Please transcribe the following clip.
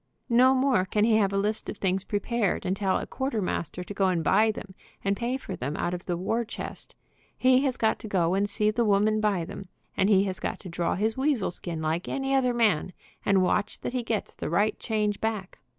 No more can he have a list of things prepared, and tell a quarter master to go and buy them, and pay for them out of the war chest. He has got to go and see the woman buy them, and he has got to draw his weasel skin like any other man, and watch that he gets the right change back.